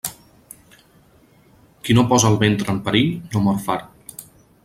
Qui no posa el ventre en perill, no mor fart.